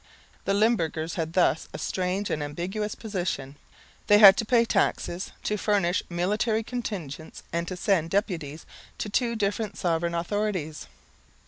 The Limburgers had thus a strange and ambiguous position. They had to pay taxes, to furnish military contingents and to send deputies to two different sovereign authorities.